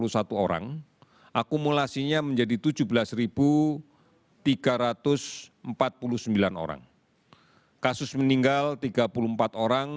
sehingga akumulasi spesimen yang kita periksa sampai dengan hari ini adalah enam ratus satu dua ratus tiga puluh sembilan spesimen